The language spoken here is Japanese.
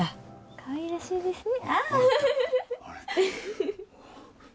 かわいらしいですね